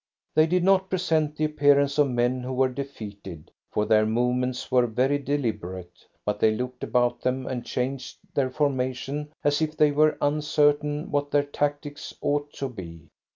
They did not present the appearance of men who were defeated, for their movements were very deliberate, but they looked about them and changed their formation as if they were uncertain what their tactics ought to be.